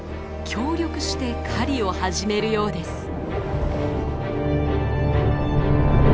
協力して狩りを始めるようです。